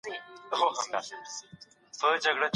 باثباته ټولنه د نېکمرغۍ نښه ده.